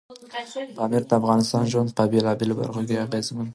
پامیر د افغانانو ژوند په بېلابېلو برخو کې اغېزمن کوي.